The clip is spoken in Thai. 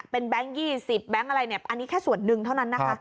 เป็นแบงก์๒๐แบงก์อะไรอันนี้แค่ส่วนหนึ่งเท่านั้น